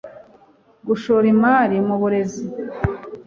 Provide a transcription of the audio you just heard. gushora imari mu burezi